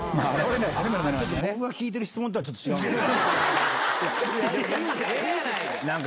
僕が聞いてる質問とはちょっええやないか。